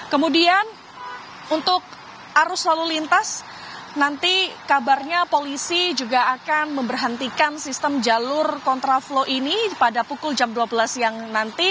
kemudian untuk arus lalu lintas nanti kabarnya polisi juga akan memberhentikan sistem jalur kontraflow ini pada pukul jam dua belas siang nanti